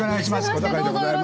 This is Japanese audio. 小堺でございます。